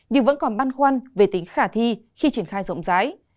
nhưng vẫn còn băn khoăn về tính khả thi khi triển khai rộng rãi